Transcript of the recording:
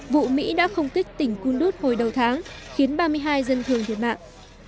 vụ mỹ đã không kích tỉnh kundut hồi đầu tháng khiến ba mươi hai dân thường thiệt mạng